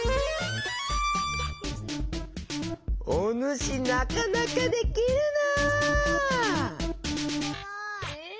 おぬしなかなかできるな！